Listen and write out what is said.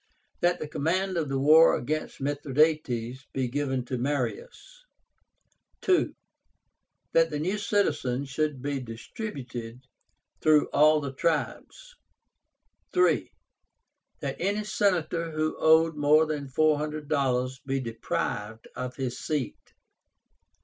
That the command of the war against Mithradátes be given to Marius. 2. That the new citizens should be distributed through all the tribes. 3. That any Senator who owed more than four hundred dollars be deprived of his seat.